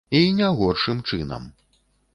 І не горшым чынам!